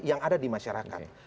yang ada di masyarakat